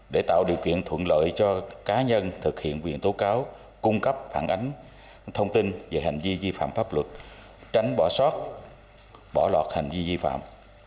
để tạo điều kiện thuận lợi cho cá nhân thực hiện quyền tố cáo cung cấp phản ánh thông tin về hành vi vi phạm pháp luật tránh bỏ sót bỏ lọt hành vi vi phạm